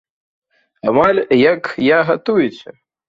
Амаль як я гатуеце.